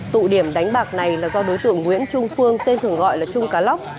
tụ điểm đánh bạc này là do đối tượng nguyễn trung phương tên thường gọi là trung cá lóc